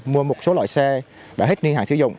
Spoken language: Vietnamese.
mua một số loại xe đã hết niên hạn sử dụng